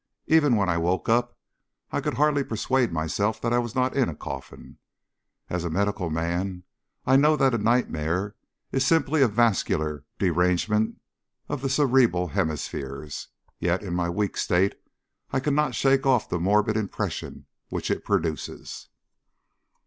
Even when I woke up, I could hardly persuade myself that I was not in a coffin. As a medical man, I know that a nightmare is simply a vascular derangement of the cerebral hemispheres, and yet in my weak state I cannot shake off the morbid impression which it produces.